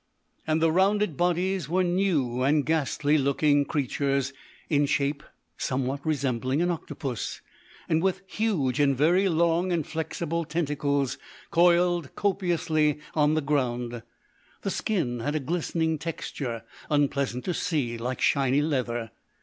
And the rounded bodies were new and ghastly looking creatures, in shape somewhat resembling an octopus, and with huge and very long and flexible tentacles, coiled copiously on the ground. The skin had a glistening texture, unpleasant to see, like shiny leather.